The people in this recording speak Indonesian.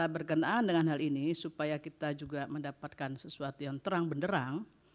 berkenaan dengan hal ini supaya kita juga mendapatkan sesuatu yang terang benderang